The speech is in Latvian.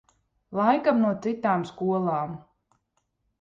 Laikam no citām skolām.